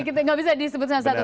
kita nggak bisa disebut sama satu